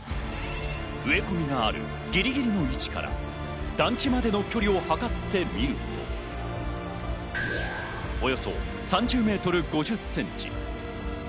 植え込みがあるぎりぎりの位置から団地までの距離を測ってみると、およそ３０ｍ５０ｃｍ。